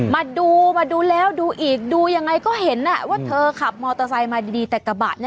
มาดูมาดูแล้วดูอีกดูยังไงก็เห็นว่าเธอขับมอเตอร์ไซค์มาดีแต่กระบะน่ะ